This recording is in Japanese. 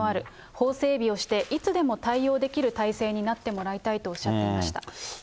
法整備をして、いつでも対応できる体制になってもらいたいとおっしゃっていまし